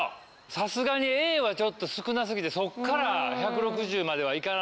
さすがにＡはちょっと少なすぎてそっから１６０まではいかないんじゃないかというので。